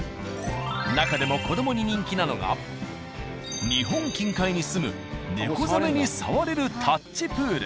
なかでも子どもに人気なのが日本近海にすむネコザメに触れるタッチプール。